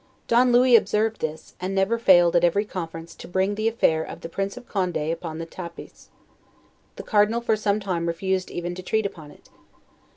Don Louis observed this, and never failed at every conference to bring the affair of the Prince of Conde upon the tapis. The Cardinal for some time refused even to treat upon it.